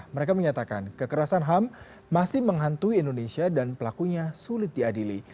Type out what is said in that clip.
mereka menyatakan kekerasan ham masih menghantui indonesia dan pelakunya sulit diadili